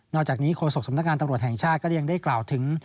อกจากนี้โฆษกสำนักงานตำรวจแห่งชาติก็ยังได้กล่าวถึง